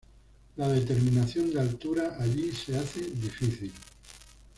La determinación de altura allí se hace difícil.